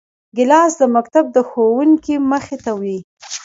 ګیلاس د مکتب د ښوونکي مخې ته وي.